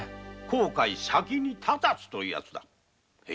「後悔先に立たず」というヤツだ。